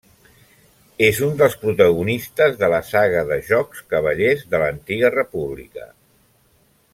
És un dels protagonistes de la saga de jocs Cavallers de l'Antiga República.